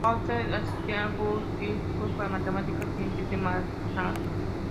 Joseph asistió a Stuyvesant High School para Matemática y Ciencias en Manhattan.